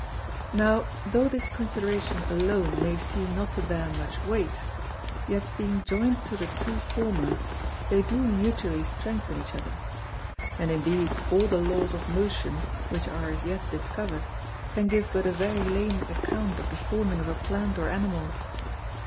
Now tho' this Consideration alone may seem not to bear much weight; yet being join'd to the two former, they do mutually strengthen each other. And indeed all the Laws of Motion, which are as yet discovered, can give but a very lame account of the forming of a Plant or Animal.